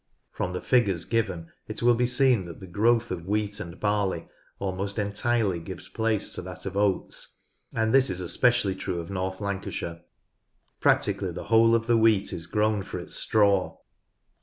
From the figures given it will be seen that the growth of wheat and barley almost entirely gives place to that of oats, and this is especially true of North Lancashire. Practically the whole of the wheat is grown for its straw.